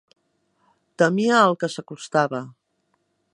Temia el que s'acostava.